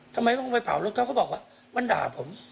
ทำไมต้องไปเผารถเขาก็บอกว่ามันด่าผม